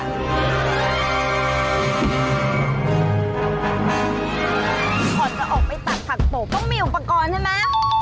ก่อนจะออกไปตักผักโปกต้องมีอุปกรณ์ใช่ไหม